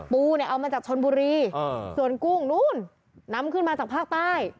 ปูเนี่ยเอามาจากชนบุรีส่วนกุ้งนู้นนำขึ้นมาจากภาคใต้